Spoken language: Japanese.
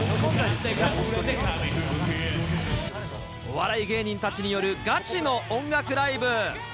お笑い芸人たちによるガチの音楽ライブ。